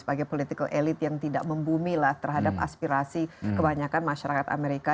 sebagai political elit yang tidak membumi lah terhadap aspirasi kebanyakan masyarakat amerika